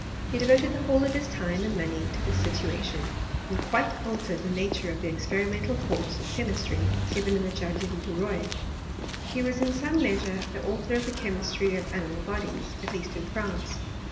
He devoted the whole of his time and money to this situation, and quite altered the nature of the experimental course of che mistry given in the Jardin du Roi. He was in some measure the author of the chemistry of animal bodies, at least in France.